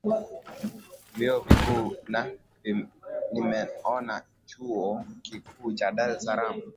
vyuo vikuu na nimeona chuo kikuu cha dar es salaam